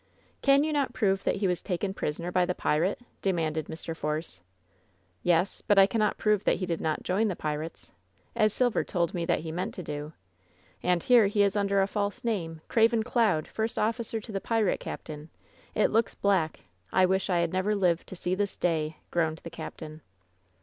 "Can you not prove that he was taken prisoner by the pirate?" demanded Mr. Force. "Yes; but I cannot prove that he did not join the pi rates, as Silver told me that he meant to do. And here he is under a false name — Craven Cloud, first officer to the pirate captain! It looks black! I wish I had never lived to see this day!" groaned the captain.